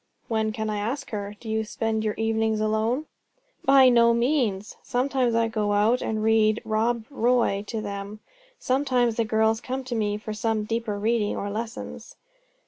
"When can I ask her? Do you spend your evenings alone?" "By no means! Sometimes I go out and read 'Rob Roy' to them. Sometimes the girls come to me for some deeper reading, or lessons."